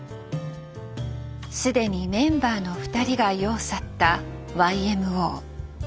既にメンバーの２人が世を去ったＹＭＯ。